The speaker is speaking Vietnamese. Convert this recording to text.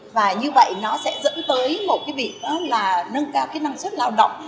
và như vậy nó sẽ dẫn tới một cái vị đó là nâng cao cái năng suất lao động